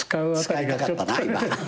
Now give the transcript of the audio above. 使いたかったな今。